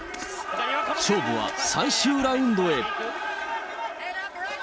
勝負は最終ラウンドへ。